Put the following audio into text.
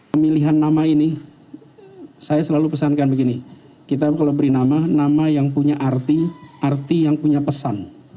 pemilihan nama ini saya selalu pesankan begini kita kalau beri nama nama yang punya arti arti yang punya pesan